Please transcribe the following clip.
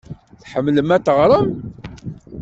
Tḥemmlem ad teɣrem?